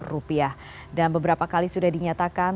rupiah dan beberapa kali sudah dinyatakan